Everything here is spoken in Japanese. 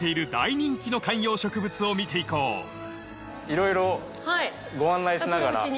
いろいろご案内しながら。